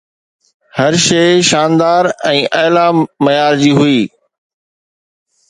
هر شي شاندار ۽ اعلي معيار جي هئي